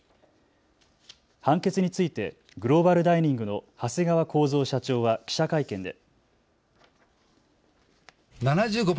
判決についてグローバルダイニングの長谷川耕造社長は記者会見で。